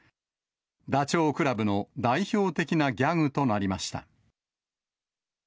ダチョウ倶楽部の代表的なギャグとなりました。